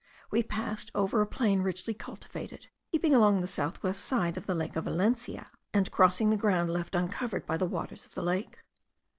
We passed over a plain richly cultivated, keeping along the south west side of the lake of Valencia, and crossing the ground left uncovered by the waters of the lake.